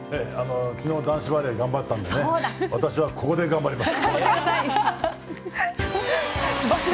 昨日男子バレー頑張ったんで私はここで頑張ります。